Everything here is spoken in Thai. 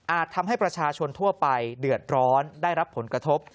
ทำให้ประชาชนทั่วไปเดือดร้อนได้รับผลกระทบ